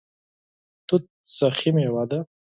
توت سخي میوه ده